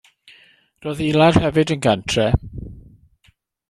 Roedd Ilar hefyd yn gantref.